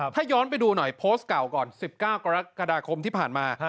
ถ้าย้อนไปดูหน่อยโพสต์เก่าก่อน๑๙กรกฎาคมที่ผ่านมา